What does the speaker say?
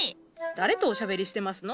誰とおしゃべりしてますの？